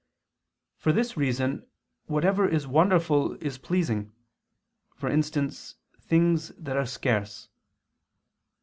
For this reason whatever is wonderful is pleasing, for instance things that are scarce.